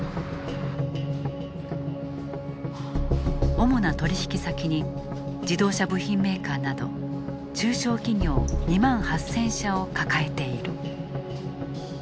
主な取引先に自動車部品メーカーなど中小企業２万８，０００社を抱えている。